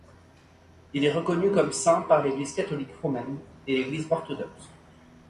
Il est reconnu comme Saint par l'Église catholique romaine et l'Église orthodoxe.